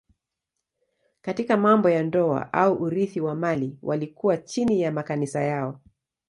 Katika mambo ya ndoa au urithi wa mali walikuwa chini ya makanisa yao.